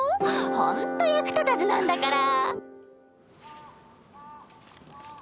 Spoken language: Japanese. ほんと役立たずなんだから。